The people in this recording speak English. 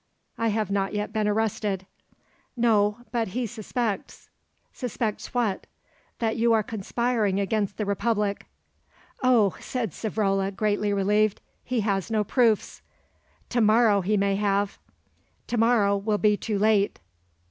"I have not yet been arrested." "No, but he suspects." "Suspects what?" "That you are conspiring against the Republic." "Oh!" said Savrola, greatly relieved; "he has no proofs." "To morrow he may have." "To morrow will be too late."